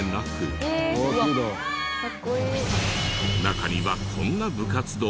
中にはこんな部活動も。